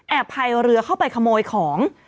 พายเรือเข้าไปขโมยของ